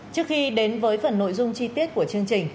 trước khi đến với phần nội dung chi tiết của chương trình